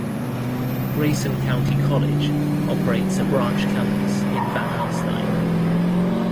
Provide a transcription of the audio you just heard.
Grayson County College operates a branch campus in Van Alstyne.